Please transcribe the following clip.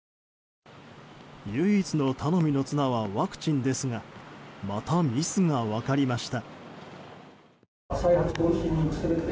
唯一の頼みの綱はワクチンですがまたミスが分かりました。